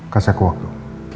kasih aku waktu